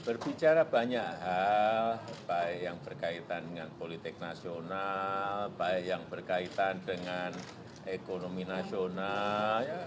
berbicara banyak hal baik yang berkaitan dengan politik nasional baik yang berkaitan dengan ekonomi nasional